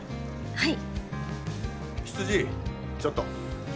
はい。